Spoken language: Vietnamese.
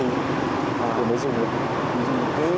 để mới dùng được